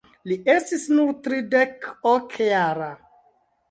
Li estis nur tridek-ok jara.